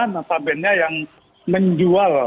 nasabahnya yang menjual